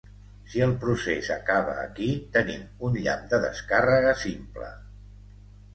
Si el procés acaba aquí, tenim un llamp de descàrrega simple.